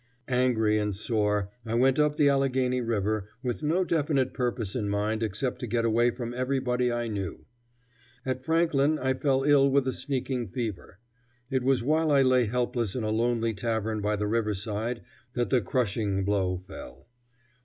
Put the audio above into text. Angry and sore, I went up the Allegheny River, with no definite purpose in mind except to get away from everybody I knew. At Franklin I fell ill with a sneaking fever. It was while I lay helpless in a lonely tavern by the riverside that the crushing blow fell.